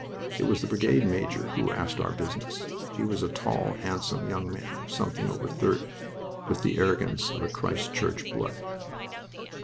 It was the brigade major who asked our business. He was a tall, handsome young man of something over thirty, with the arrogance of a Christ Church blood.